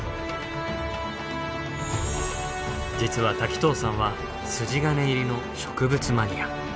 実は滝藤さんは筋金入りの植物マニア。